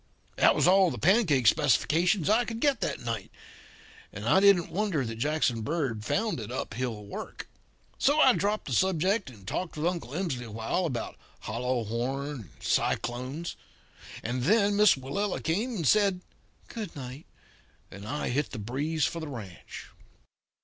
"That was all the pancake specifications I could get that night. I didn't wonder that Jackson Bird found it uphill work. So I dropped the subject and talked with Uncle Emsley for a while about hollow horn and cyclones. And then Miss Willella came and said 'Good night,' and I hit the breeze for the ranch.